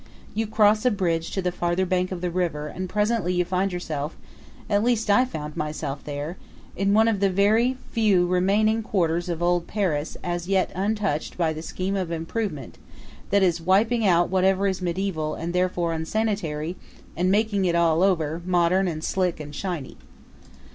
You cross a bridge to the farther bank of the river and presently you find yourself at least I found myself there in one of the very few remaining quarters of old Paris, as yet untouched by the scheme of improvement that is wiping out whatever is medieval and therefore unsanitary, and making it all over, modern and slick and shiny.